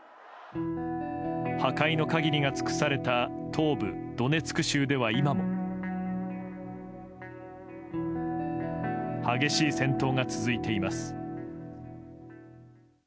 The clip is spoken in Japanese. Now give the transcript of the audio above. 破壊の限りが尽くされた東部ドネツク州では、今も激しい戦闘が続いています。